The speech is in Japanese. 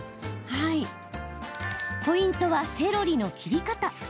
ポイントはセロリの切り方。